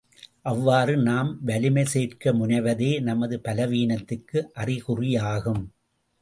அவ்வாறு நாம் வலிமை சேர்க்க முனைவதே நமது பலவீனத்துக்கு அறிகுறியாகும்.